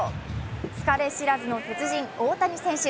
疲れ知らずの鉄人・大谷選手。